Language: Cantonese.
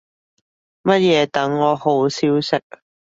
乜嘢等我好消息